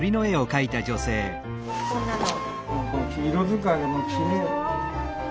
こんなの。